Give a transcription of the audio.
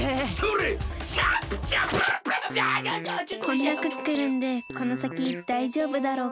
こんなクックルンでこのさきだいじょうぶだろうか。